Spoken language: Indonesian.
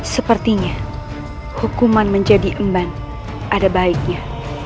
sepertinya hukuman menjadi emban ada baiknya